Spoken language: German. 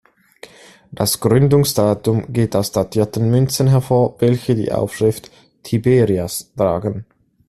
Das Gründungsdatum geht aus datierten Münzen hervor, welche die Aufschrift "Tiberias" tragen.